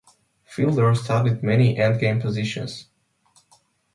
Philidor studied many endgame positions.